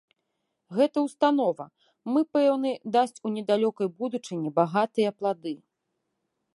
Гэта ўстанова, мы пэўны, дасць у недалёкай будучыні багатыя плады.